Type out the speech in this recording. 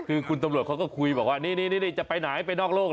คือคุณตำรวจเขาก็คุยบอกว่านี่จะไปไหนไปนอกโลก